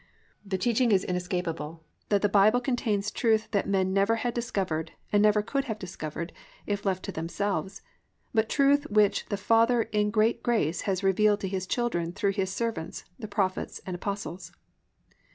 The teaching is inescapable that the Bible contains truth that men never had discovered and never could have discovered if left to themselves, but truth which the Father in great grace has revealed to His children through His servants the prophets and apostles.